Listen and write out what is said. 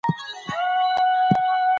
له شهپر څخه یې غشی دی جوړ کړی